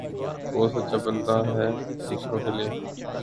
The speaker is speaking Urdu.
بہت سچا بنتا ھے دوسروں کے لئے